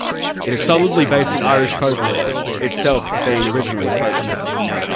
It is solidly based in Irish folklore, itself being originally a folktale.